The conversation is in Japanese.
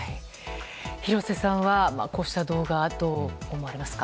廣瀬さんは、こうした動画はどう思いますか？